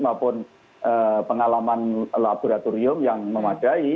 maupun pengalaman laboratorium yang memadai